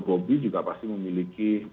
bobby juga pasti memiliki